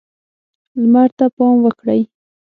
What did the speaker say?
لمر ته پام وکړئ.